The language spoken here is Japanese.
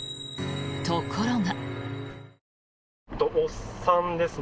ところが。